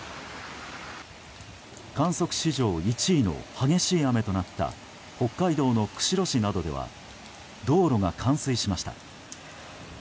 観測史上１位の激しい雨となった北海道の釧路市などでは道路が冠水しました。